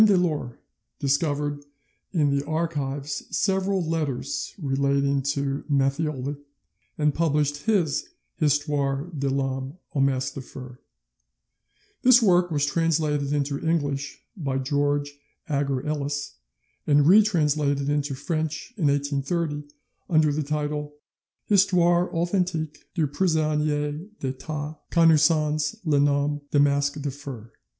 Delort discovered in the archives several letters relating to Matthioli, and published his Histoire de l'Homme au Masque de Fer (8vo). This work was translated into English by George Agar Ellis, and retranslated into French in 1830, under the title 'Histoire authentique du Prisonnier d'Etat, connu sons le Nom de Masque de Fer'.